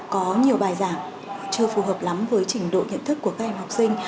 có nhiều bài giảng chưa phù hợp lắm với trình độ nhận thức của các em học sinh